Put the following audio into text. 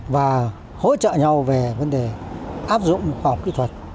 và hỗ trợ nhau về vấn đề áp dụng khoảng